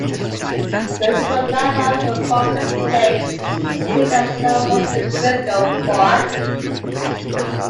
Notable landmarks were Crofton Place, the seat of Sir Wastel Brisco, Bart.